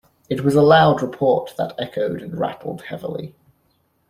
It was a loud report that echoed and rattled heavily.